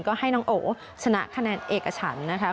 ก็ให้น้องโอชนะคะแนนเอกฉันนะคะ